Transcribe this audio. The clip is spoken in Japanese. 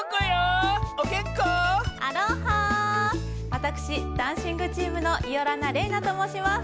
わたくしダンシングチームのイオラナれいなともうします。